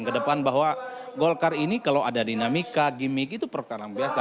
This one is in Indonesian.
yang ke depan bahwa golkar ini kalau ada dinamika gimmick itu perkarang biasa